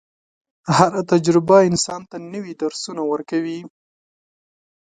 هره تجربه انسان ته نوي درسونه ورکوي.